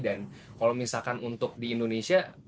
dan kalau misalkan untuk di indonesia